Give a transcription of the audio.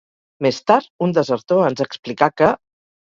Més tard, un desertor ens explicà que...